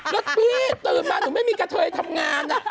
แล้วพี่ตื่นมาหนูไม่มีกระเทยทำงาน